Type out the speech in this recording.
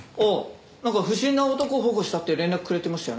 なんか不審な男を保護したって連絡くれてましたよね？